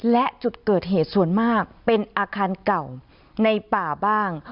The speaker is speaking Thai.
และจุดเกิดเหตุส่วนมากเป็นอาคารเก่าในป่าบ้าง